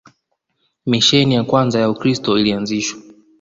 Misheni ya kwanza ya Ukristo ilianzishwa